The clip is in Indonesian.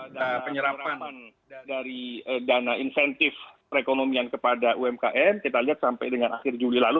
dan penyerapan dari dana insentif perekonomian kepada umkm kita lihat sampai dengan akhir juli lalu